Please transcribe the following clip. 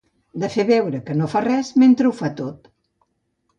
De fer veure que no fa res, mentre ho fa tot.